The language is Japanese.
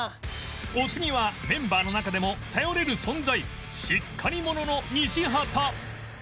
お次はメンバーの中でも頼れる存在しっかり者の西畑